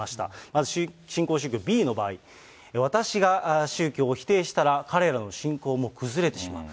まず新興宗教Ｂの場合、宗教を否定したら、彼らの信仰も崩れてしまう。